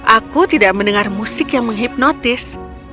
aku tidak mendengar musik yang menghipnotis